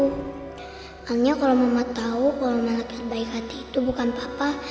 hanya kalau mama tahu kalau malaikat baik hati itu bukan papa